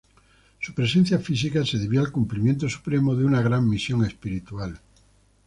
Su presencia física se debió al cumplimiento supremo de una gran misión espiritual.